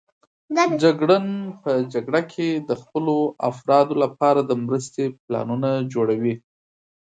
جګړن په جګړه کې د خپلو افرادو لپاره د مرستې پلانونه جوړوي.